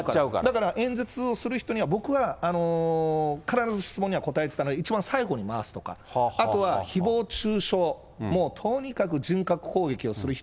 だから演説をする人には、僕は必ず質問には答えてたので、一番最後に回すとか、あとは、ひぼう中傷、もうともかく人格攻撃をする人。